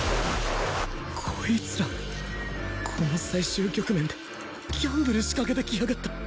こいつらこの最終局面でギャンブル仕掛けてきやがった！